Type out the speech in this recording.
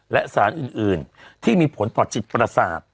และสารอื่นที่มีผลต่อจิตประสาท